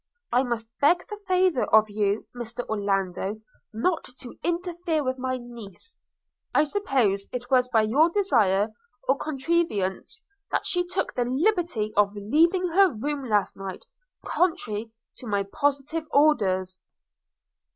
I must beg the favour of you, Mr Orlando, not to interfere with my niece. I suppose it was by your desire or contrivance that she took the liberty of leaving her room last night, contrary to my positive orders.'